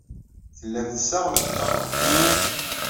Tellamt tessaɣemt-d aɣrum.